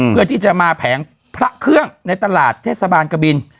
เพื่อที่จะมาแผงพระเครื่องในตลาดเทศบาลกบิน